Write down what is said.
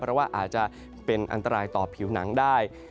เพราะว่าอาจจะเป็นอันตรายต่อผิวหนังได้